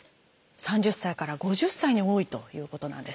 ３０歳から５０歳に多いということなんです。